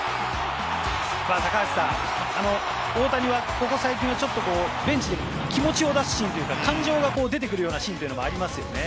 大谷はここ最近、ベンチで気持ちを出すシーン、感情が出てくるようなシーンがありますね。